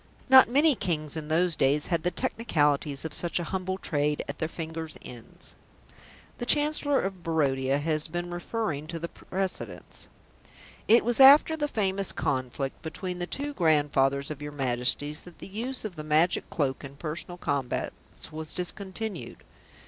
Not many Kings in those days had the technicalities of such a humble trade at their fingers' ends. The Chancellor of Barodia has been referring to the precedents. "It was after the famous conflict between the two grandfathers of your Majesties that the use of the Magic Cloak in personal combats was discontinued."